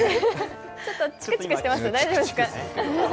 ちょっとチクチクしてますよ、大丈夫？